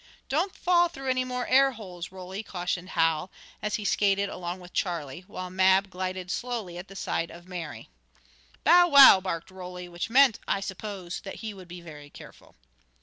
"Don't fall through any more air holes, Roly!" cautioned Hal, as he skated along with Charlie, while Mab glided slowly at the side of Mary. "Bow wow!" barked Roly, which meant, I suppose, that he would be very careful.